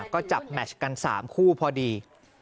ก็จับแมชกัน๓คู่พอดี